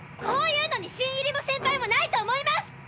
こういうのに新入りもセンパイもないと思います！